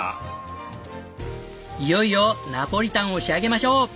いよいよナポリタンを仕上げましょう。